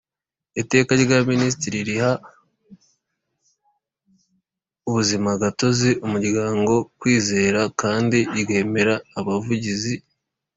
Iteka rya minisitiri riha ubuzimagatozi umuryango kwizera kandi ryemera abavugizi